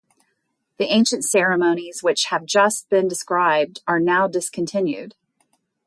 The ancient ceremonies which have just been described are now discontinued.